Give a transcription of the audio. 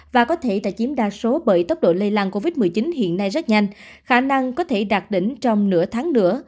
và có thể đã chiếm đa số bởi tốc độ lây lan covid một mươi chín hiện nay rất nhanh khả năng có thể đạt đỉnh trong nửa tháng nữa